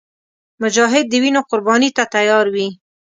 مجاهد د وینو قرباني ته تیار وي.